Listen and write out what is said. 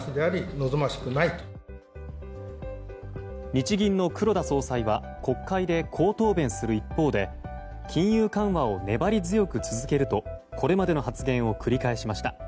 日銀の黒田総裁は国会でこう答弁する一方で金融緩和を粘り強く続けるとこれまでの発言を繰り返しました。